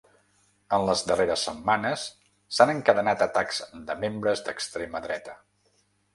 En les darreres setmanes s’han encadenat atacs de membres d’extrema dreta.